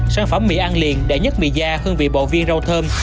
sản phẩm mì ăn liền đệ nhất mì da hương vị bộ viên rau thơm